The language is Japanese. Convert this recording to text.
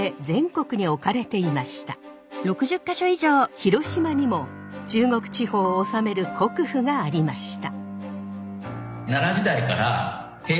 広島にも中国地方を治める国府がありました。